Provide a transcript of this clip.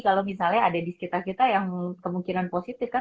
kalau misalnya ada di sekitar kita yang kemungkinan positif kan